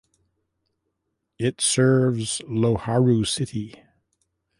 It serves Loharu city.